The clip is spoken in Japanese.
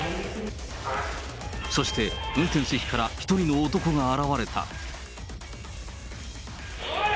そして、運転席から一人の男が現れた。